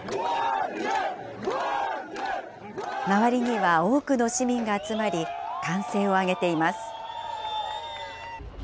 周りには多くの市民が集まり、歓声を上げています。